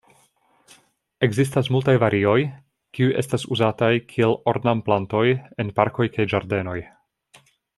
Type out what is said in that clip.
Ekzistas multaj varioj, kiuj estas uzataj kiel ornamplantoj en parkoj kaj ĝardenoj.